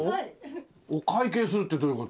お会計するってどういう事？